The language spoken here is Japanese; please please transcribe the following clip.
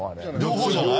両方じゃない？